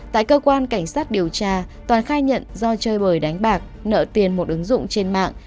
tại cơ quan cảnh sát điều tra toàn khai nhận do chơi bời đánh bạc nợ tiền một ứng dụng trên mạng